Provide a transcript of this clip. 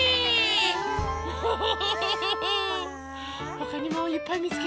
ほかにもいっぱいみつけちゃおう！